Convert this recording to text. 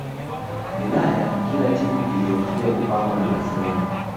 ulaya kila timu ilihofia kupangwa na barcelona